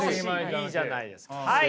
いいじゃないですか。